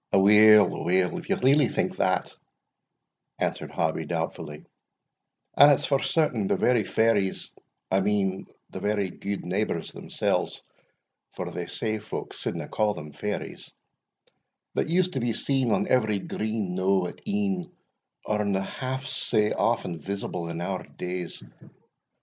"Aweel, aweel, if ye really think that," answered Hobbie doubtfully "And it's for certain the very fairies I mean the very good neighbours themsells (for they say folk suldna ca' them fairies) that used to be seen on every green knowe at e'en, are no half sae often visible in our days.